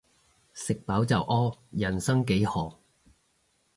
食飽就屙，人生幾何